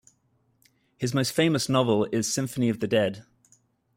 His most famous novel is "Symphony of the Dead".